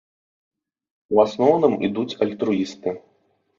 У асноўным ідуць альтруісты.